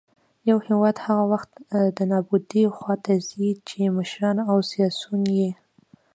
يـو هـېواد هـغه وخـت د نـابـودۍ خـواتـه ځـي ،چـې مـشران او سـياسيون يـې